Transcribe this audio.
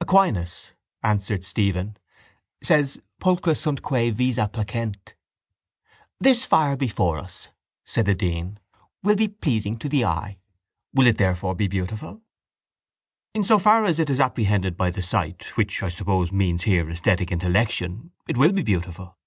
—Aquinas, answered Stephen, says pulcra sunt quæ visa placent. —This fire before us, said the dean, will be pleasing to the eye. Will it therefore be beautiful? —In so far as it is apprehended by the sight, which I suppose means here esthetic intellection, it will be beautiful.